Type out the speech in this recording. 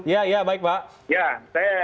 ya baik pak